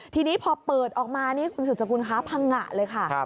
ทีนี้พอเปิดออกมาสุจกรณ์ค้าพังงะเลยค่ะ